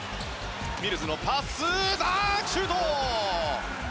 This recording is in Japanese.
ミルズのパス、ダンクシュート！